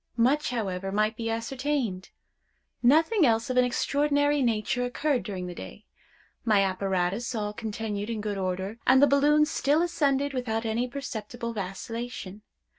Much, however, might be ascertained. Nothing else of an extraordinary nature occurred during the day. My apparatus all continued in good order, and the balloon still ascended without any perceptible vacillation.